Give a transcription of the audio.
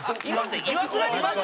イワクラにマジ。